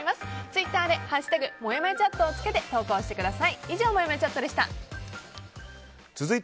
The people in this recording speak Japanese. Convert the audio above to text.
ツイッターで「＃もやもやチャット」をつけて投稿してください。